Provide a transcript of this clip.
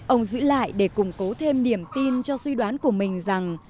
ông giữ lại để củng cố thêm niềm tin cho suy đoán của mình rằng